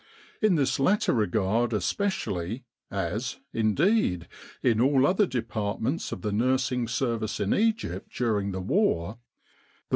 In this latter regard especially, as, indeed, in all other departments of the nursing service in Egypt during the war, the V.